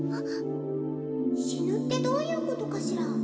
「死ぬってどういうことかしら？」